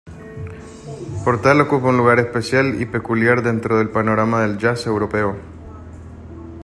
Portal ocupa un lugar especial y peculiar dentro del panorama del jazz europeo.